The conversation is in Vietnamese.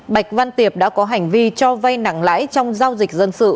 bạch văn tiệp đã có hành vi cho vay nặng lãi trong giao dịch dân sự